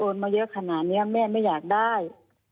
มาเยอะขนาดนี้แม่ไม่อยากได้